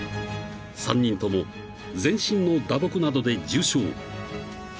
［３人とも全身の打撲などで重傷］